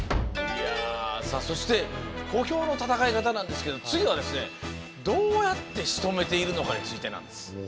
さあそして小兵の戦い方なんですけど次はですねどうやってしとめているのかについてなんです。